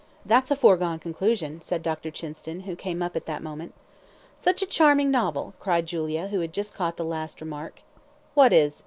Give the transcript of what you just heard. "That's a foregone conclusion," said Dr. Chinston, who came up at that moment. "Such a charming novel," cried Julia, who had just caught the last remark. "What is?"